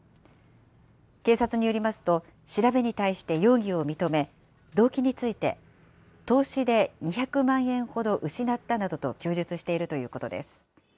警察によりますと、調べに対して容疑を認め、動機について、投資で２００万円ほど失ったなどと供述しているということです。